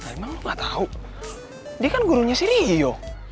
emang lo gak tau dia kan gurunya si rio